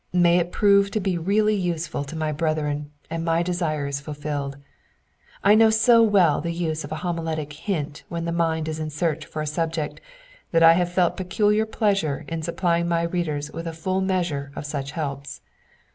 May it prove to be really useful to my brethren, and my desire is fulfilled. I know so well the use of a homiletic hint when the mind is in search for a subject that I have felt peculiar pleasure in supply ing my readers with a full measure of such helps.